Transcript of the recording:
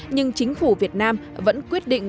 nhưng chính phủ việt nam vẫn quyết định